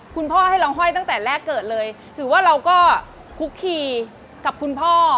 คุณพ่อให้เราห้อยตั้งแต่แรกเกิดเลยถือว่าเราก็คุกคีกับคุณพ่อ